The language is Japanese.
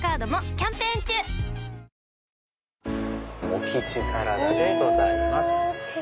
モキチサラダでございます。